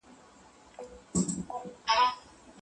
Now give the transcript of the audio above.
کتابتون څېړنه او میز څېړنه سره ورته دي.